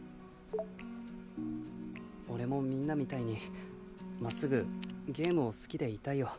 俺もみんなみたいに真っすぐゲームを好きでいたいよ。